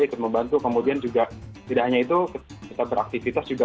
ikut membantu kemudian juga tidak hanya itu ketika kita beraktivitas juga